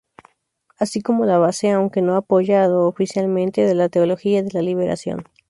Así como la base, aunque no apoyada oficialmente, de la Teología de la Liberación.